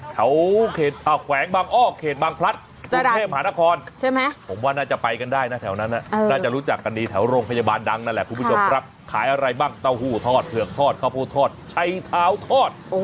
แถวเขตแขวงบางอ้อเขตบางพลัดกรุงเทพหานครใช่ไหมผมว่าน่าจะไปกันได้นะแถวนั้นน่าจะรู้จักกันดีแถวโรงพยาบาลดังนั่นแหละคุณผู้ชมครับขายอะไรบ้างเต้าหู้ทอดเผือกทอดข้าวโพดทอดใช้เท้าทอด